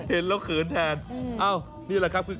เห็นแล้วเขินแทนเอ้านี่แหละครับคือ